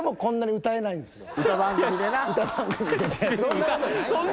歌番組でな。